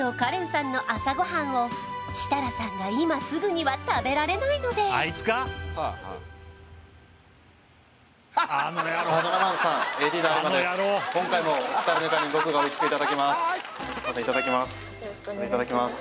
ＣＡＲＥＮさんの朝ごはんを設楽さんが今すぐには食べられないのでいただきます